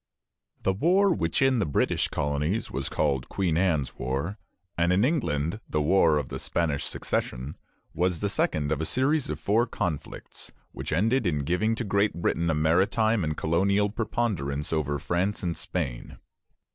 The war which in the British colonies was called Queen Anne's War, and in England the War of the Spanish Succession, was the second of a series of four conflicts which ended in giving to Great Britain a maritime and colonial preponderance over France and Spain.